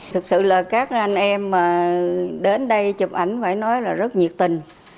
thực sự là các anh em đến đây chụp ảnh phải nói là rất nhiệt tình